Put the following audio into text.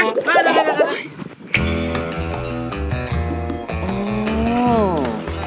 เดี๋ยวเดี๋ยวเดี๋ยว